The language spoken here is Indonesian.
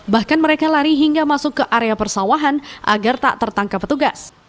bahkan mereka lari hingga masuk ke area persawahan agar tak tertangkap petugas